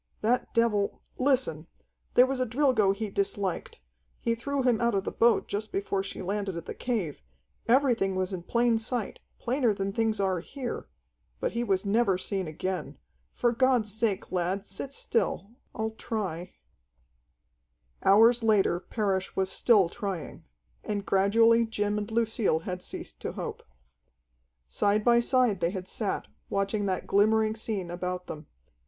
"That devil Listen: there was a Drilgo he disliked. He threw him out of the boat just before she landed at the cave. Everything was in plain sight, plainer than things are here. But he was never seen again. For God's sake, lad, sit still. I'll try "Hours later Parrish was still trying. And gradually Jim and Lucille had ceased to hope. Side by side they had sat, watching that glimmering scene about them.